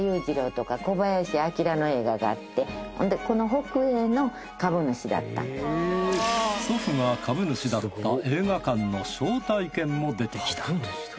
更に祖父が株主だった映画館の招待券も出てきた。